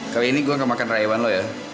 kali ini gue gak makan rayuan lo ya